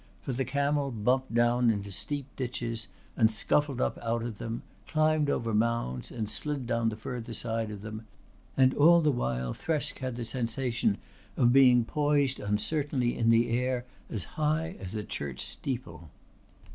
For the camel bumped down into steep ditches and scuffled up out of them, climbed over mounds and slid down the further side of them, and all the while Thresk had the sensation of being poised uncertainly in the air as high as a church steeple.